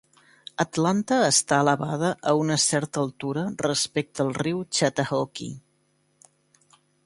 Atlanta està elevada a una certa altura respecte al riu Chattahoochee.